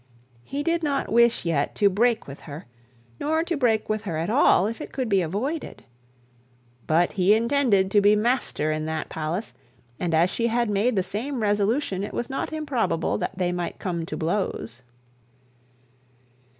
He did not wish yet to break with her, nor to break with her at all, if it could be avoided. But he intended to be master in that palace, and as she had made the same resolution, it was not improbable that they might come to blows.